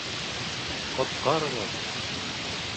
— Ҡотҡарығыҙ!